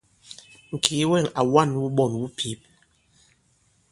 Ŋ̀kìi wɛ̂ŋ à wa᷇n wuɓɔn wu pǐp.